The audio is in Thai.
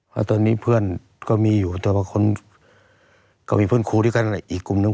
แล้วตอนนี้เพื่อนก็มีอยู่แต่ว่าคนก็มีเพื่อนครูด้วยกันอีกกลุ่มนึง